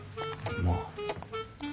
まあ。